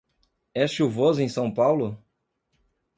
É chuvoso em São Paulo?